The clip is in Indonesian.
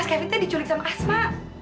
mas kevin tuh diculik sama asma